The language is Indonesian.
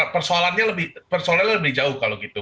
persoalannya lebih jauh kalau gitu